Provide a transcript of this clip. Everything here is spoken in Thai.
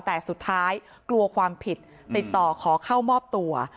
แต่สุดท้ายกลัวความผิดติดต่อขอเข้ามอบตัว